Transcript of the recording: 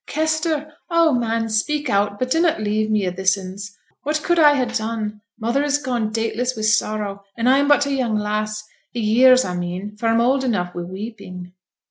'Kester! oh, man! speak out, but dunnot leave me a this ns. What could I ha' done? Mother is gone dateless wi' sorrow, and I am but a young lass, i' years I mean; for I'm old enough wi' weeping.'